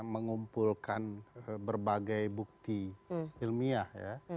mengumpulkan berbagai bukti ilmiah ya